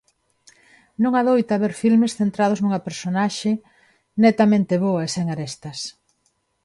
Non adoita haber filmes centrados nunha personaxe netamente boa e sen arestas.